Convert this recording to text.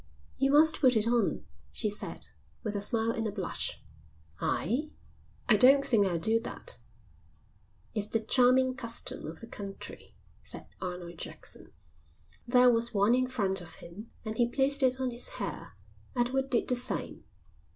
"You must put it on," she said, with a smile and a blush. "I? I don't think I'll do that." "It's the charming custom of the country," said Arnold Jackson. There was one in front of him and he placed it on his hair. Edward did the same.